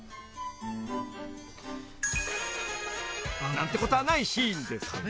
［何てことはないシーンですが］